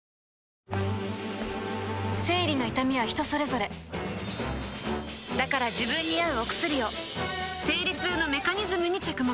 生理の痛みは人それぞれだから自分に合うお薬を生理痛のメカニズムに着目